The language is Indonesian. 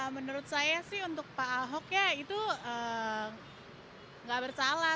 menurut saya sih untuk pak ahok ya itu nggak bersalah